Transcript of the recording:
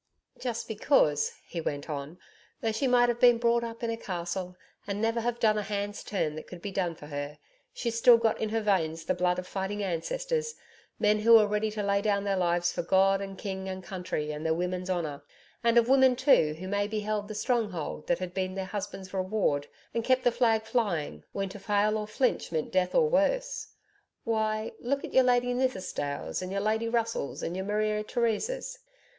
Just because,' he went on, 'though she might have been brought up in a castle and never have done a hand's turn that could be done for her, she's still got in her veins the blood of fighting ancestors men who were ready to lay down their lives for God and King and country and their women's honour and of women too who'd maybe held the stronghold that had been their husband's reward, and kept the flag flying, when to fail or flinch meant death or worse.... Why, look at your Lady Nithisdales and your Lady Russells and your Maria Theresas....'